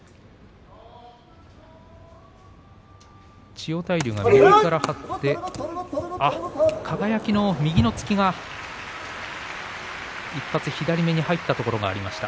千代大龍が右から張って輝の右の突きが左のまぶたの上辺りに入ったところがありました。